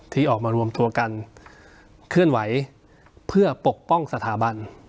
ที่ออกมารวมตัวกันเคลื่อนไหวเพื่อปกป้องสถาบัน